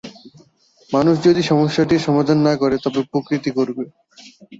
মানুষ যদি সমস্যাটির সমাধান না করে তবে প্রকৃতি করবে।